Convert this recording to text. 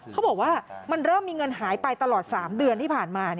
เขาบอกว่ามันเริ่มมีเงินหายไปตลอด๓เดือนที่ผ่านมา